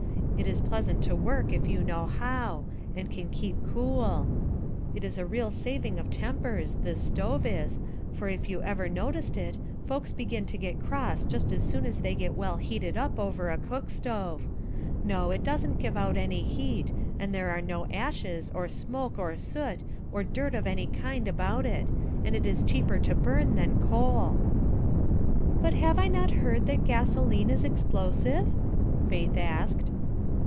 It is pleasant to work if you know how, and can keep cool; it is a real saving of tempers this stove is for if you ever noticed it, folks begin to get cross just as soon as they get well heated up over a cook stove. No, it doesn't give out any heat, and there are no ashes, or smoke, or soot, or dirt of any kind about it, and it is cheaper to burn than coal." "But have I not heard that gasoline is explosive?" Faith asked.